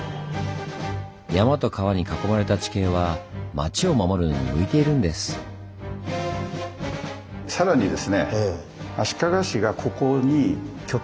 山と川に囲まれた地形は町を守るのに向いているんです。